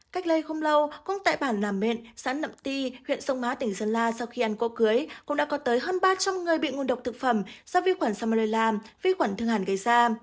cách đây không lâu cũng tại bản làm mện xã nậm ti huyện sông má tỉnh sơn la sau khi ăn cua cưới cũng đã có tới hơn ba trăm linh người bị ngộ độc thực phẩm do vi khuẩn salmonella vi khuẩn thương hàn gây ra